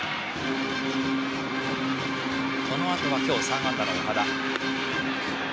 このあとは今日３安打の岡田。